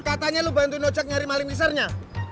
katanya lo bantuin ocak nyari maling mixernya